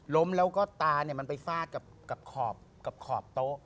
ล้มแล้วก็ตาเนี่ยมันไปฟาดกับขอบโต๊ะ